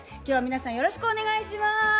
今日は皆さんよろしくお願いします。